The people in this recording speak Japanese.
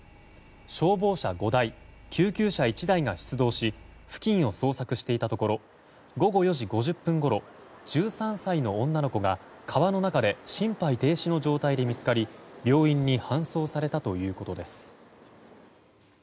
消防車５台、救急車１台が出動し付近を捜索していたところ午後４時５０分ごろ１３歳の女の子が、川の中で心肺停止の状態で見つかり病院に搬送されたということです。